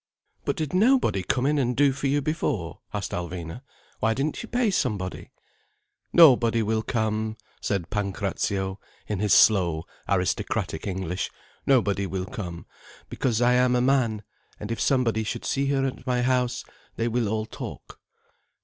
"But did nobody come in and do for you before?" asked Alvina. "Why didn't you pay somebody?" "Nobody will come," said Pancrazio, in his slow, aristocratic English. "Nobody will come, because I am a man, and if somebody should see her at my house, they will all talk."